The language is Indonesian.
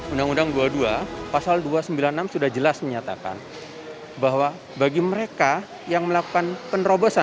undang undang dua puluh dua pasal dua ratus sembilan puluh enam sudah jelas menyatakan bahwa bagi mereka yang melakukan penerobosan